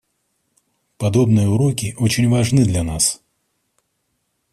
Подобные уроки очень важны для нас.